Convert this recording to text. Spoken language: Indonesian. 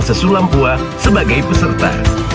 sesulam pua sebagai peserta